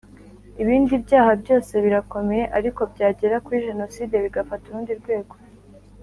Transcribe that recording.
ibindi byaha byose birakomeye ariko byagera kuri jenoside bigafata urundi rwego